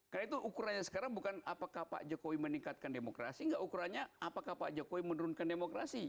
karena itu ukurannya sekarang bukan apakah pak jokowi meningkatkan demokrasi nggak ukurannya apakah pak jokowi menurunkan demokrasi